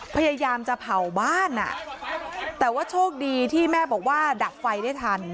พยายามจะเผาบ้านอ่ะแต่ว่าโชคดีที่แม่บอกว่าดับไฟได้ทัน